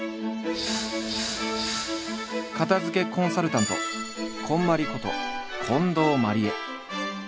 片づけコンサルタント「こんまり」こと近藤麻理恵。